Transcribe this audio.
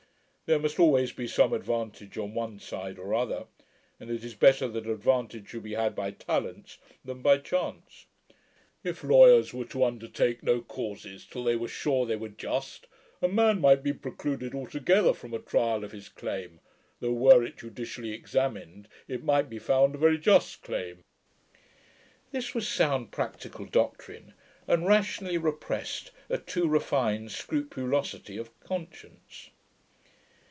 There must always be some advantage, on one side or other; and it is better that advantage should be had by talents, than by chance. If lawyers were to undertake no causes till they were sure they were just, a man might be precluded altogether from a trial of his claim, though, were it judicially examined, it might be found a very just claim.' This was sound practical doctrine, and rationally repressed a too refined scrupulosity of conscience.